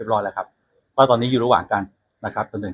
เพราะว่าเดี๋ยวต้องเชิญมามาให้การอีกที